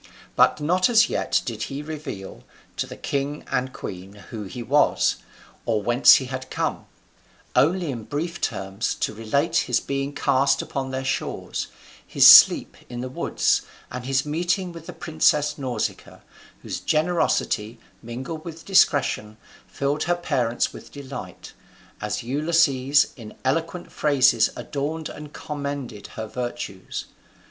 But not as yet did he reveal to the king and queen who he was, or whence he had come; only in brief terms he related his being cast upon their shores, his sleep in the woods, and his meeting with the princess Nausicaa, whose generosity, mingled with discretion, filled her parents with delight, as Ulysses in eloquent phrases adorned and commended her virtues.